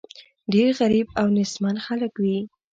ډېر غریب او نېستمن خلک وي.